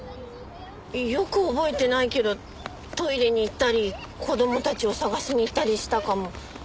よく覚えてないけどトイレに行ったり子供たちを捜しに行ったりしたかも。